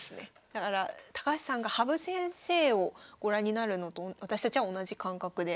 だから高橋さんが羽生先生をご覧になるのと私たちは同じ感覚で。